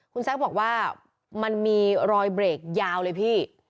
คุณแซคบอกว่ามันมีรอยเบรกยาวเลยพี่